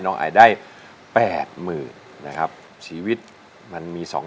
น้องไอร้อง